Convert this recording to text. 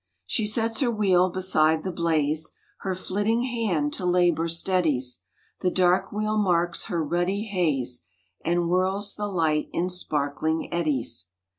She sets her wheel beside the blaze, Her flitting hand to labour steadies, The dark wheel marks the ruddy haze, And whirls the light in sparkling eddies.